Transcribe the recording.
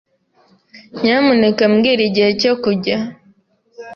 Nyamuneka mbwira igihe cyo kujya.